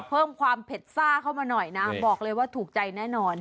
เพิ่มความเผ็ดซ่าเข้ามาหน่อยนะบอกเลยว่าถูกใจแน่นอน